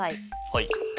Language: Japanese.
はい。